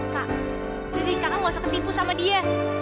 kak jadi kakak gak usah ketipu sama dia